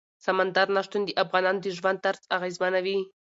سمندر نه شتون د افغانانو د ژوند طرز اغېزمنوي.